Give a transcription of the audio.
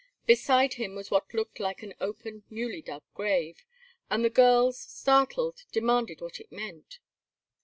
Beside him was what looked like an open newly dug grave, and the girls, startled, demanded what it meant.